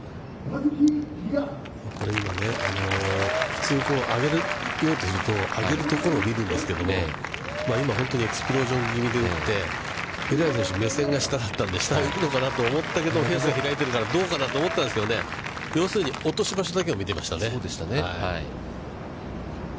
普通上げようとすると、上げるところを見るんですけども、今、本当にエクスプロージョンぎみに打って、ペレイラ選手、目線が下だったので下に行くかなと思ったんですけど、どうかなと思ったんですけど、要するに落とし場所だけを見てましたね。